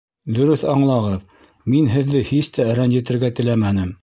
— Дөрөҫ аңлағыҙ, мин һеҙҙе һис тә рәнйетергә теләмәнем.